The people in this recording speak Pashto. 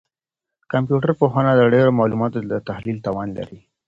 کمپيوټر پوهنه د ډېرو معلوماتو د تحلیل توان لري.